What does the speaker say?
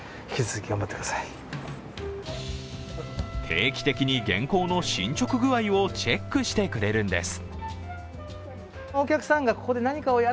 定期的に原稿の進捗具合をチェックしてくれるんです。